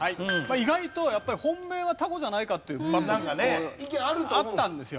意外とやっぱり本命はタコじゃないかっていうあったんですよ。